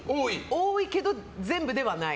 多いけど、全部ではない。